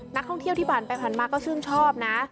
นักท่องเที่ยวที่ผ่านไปผ่านมาก็ชื่นชอบนะ